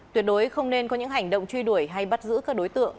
tuyệt đối không nên có những hành động truy đuổi hay bắt giữ các đối tượng